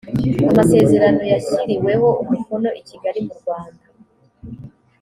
amasezerano yashyiriweho umukono i kigali mu rwanda